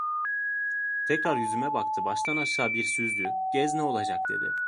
Tekrar yüzüme baktı, baştan aşağı bir süzdü: "Gez, ne olacak!" dedi.